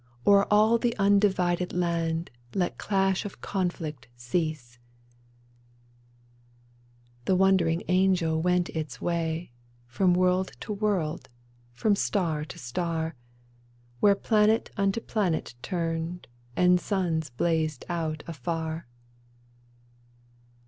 O'er all the undivided land Let clash of conflict cease !'" The wondering angel went its way From world to world, from star to star, 138 GRANT Wj;iere planet unto planet turned, And suns blazed out afar.